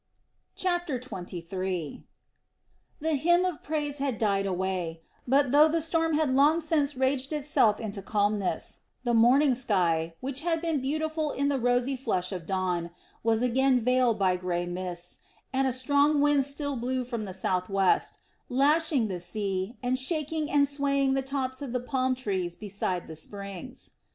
CHAPTER XXIII. The hymn of praise had died away, but though the storm had long since raged itself into calmness, the morning sky, which had been beautiful in the rosy flush of dawn, was again veiled by grey mists, and a strong wind still blew from the southwest, lashing the sea and shaking and swaying the tops of the palm trees beside the springs.